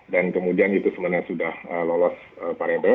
dan kemudian itu sebenarnya sudah lolos variablenya